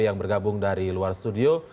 yang bergabung dari luar studio